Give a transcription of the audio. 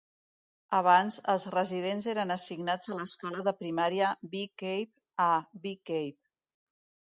Abans, els residents eren assignats a l'escola de primària Bee Cave a Bee Cave.